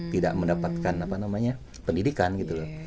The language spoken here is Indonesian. tidak mendapatkan pendidikan gitu